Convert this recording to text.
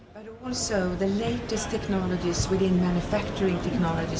kami mencoba untuk mencari perusahaan yang berkembang di indonesia